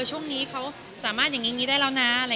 ช่วงนี้เขาบริกษากับเราได้แล้วนะ